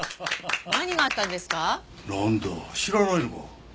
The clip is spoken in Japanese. なんだ知らないのか？